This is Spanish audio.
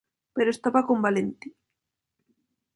Pero estaba con Valenti.